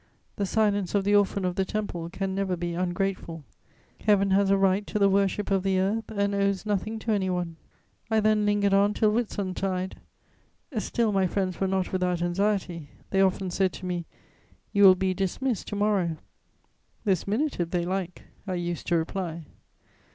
The silence of the orphan of the Temple can never be ungrateful: Heaven has a right to the worship of the earth and owes nothing to any one. I then lingered on till Whitsuntide; still, my friends were not without anxiety; they often said to me: [Sidenote: Dismissed from office.] "You will be dismissed to morrow." "This minute, if they like," I used to reply.